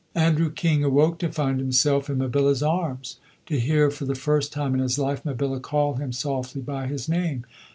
Andrew King awoke to find himself in Mabilla's arms, to hear for the first time in his life Mabilla call him softly by his name.